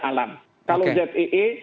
alam kalau zee